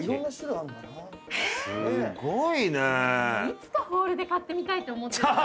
いつかホールで買ってみたいと思ってる。